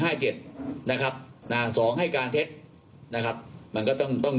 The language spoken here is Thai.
ให้เจ็ดนะครับนะสองให้การเท็จนะครับมันก็ต้องต้อง